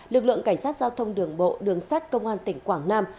lực lượng cảnh sát giao thông đường bộ đường sát công an tỉnh quảng nam